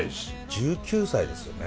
１９歳ですよね。